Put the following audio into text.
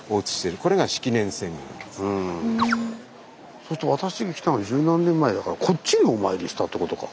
そうすると私が来たの十何年前だからこっちにお参りしたってことか。